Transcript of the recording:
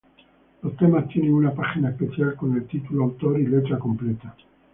Los temas tiene una página especial con el título, autor y letra completa.